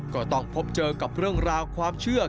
ก็ต้องพบเจอกับเรื่องราวความเชื่อ